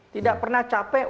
tidak pernah capek